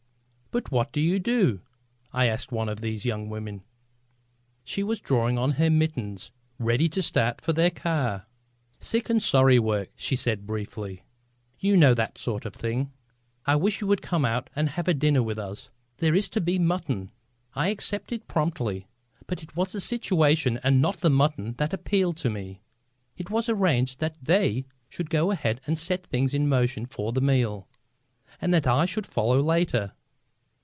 "But what do you do?" I asked one of these young women. She was drawing on her mittens ready to start for their car. "Sick and sorry work," she said briefly. "You know the sort of thing. I wish you would come out and have dinner with us. There is to be mutton." I accepted promptly, but it was the situation and not the mutton that appealed to me. It was arranged that they should go ahead and set things in motion for the meal, and that I should follow later.